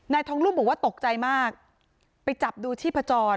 ทองรุ่มบอกว่าตกใจมากไปจับดูชีพจร